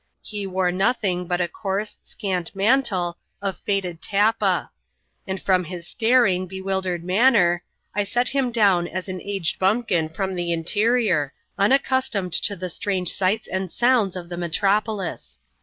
He wore nothing but a coarse, scant mantle, of faded tappa; and from his staring, bewil dered manner, I set him down as an aged biunpkin from the interior, unaccustomed to the strange sights and sounds of the metropolis.